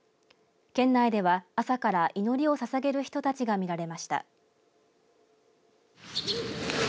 県内では朝から祈りをささげる人たちが見られました。